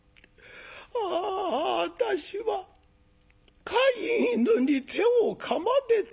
あ私は飼い犬に手をかまれた」。